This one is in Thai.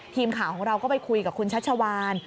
ทีมข่าวของเราก็ไปคุยกับคุณชัชวาน